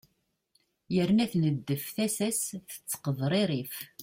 yerna tneddef tasa-s tettqeḍririf